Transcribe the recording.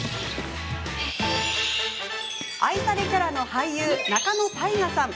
愛されキャラの俳優仲野太賀さん。